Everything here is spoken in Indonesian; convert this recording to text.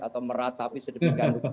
atau meratapi sedemikian